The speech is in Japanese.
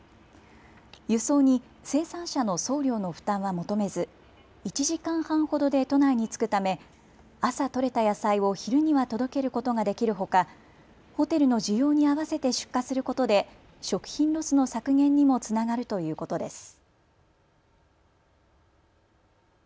輸送に生産者の送料の負担は求めず１時間半ほどで都内に着くため朝取れた野菜を昼には届けることができるほかホテルの需要に合わせて出荷することで食品ロスの削減にもつながるということです。